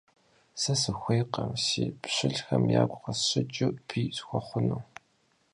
Сэ сыхуейкъым си пщылӀхэм ягу къысщыкӀыу бий схуэхъуну.